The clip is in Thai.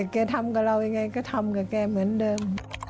ทำกับเรายังไงก็ทำกับแกเหมือนเดิม